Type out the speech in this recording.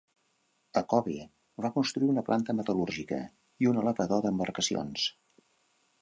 A Kobe, va construir una planta metal·lúrgica i un elevador d'embarcacions.